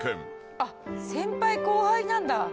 先輩後輩なんだ。